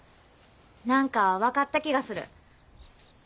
なんか分かった気がする。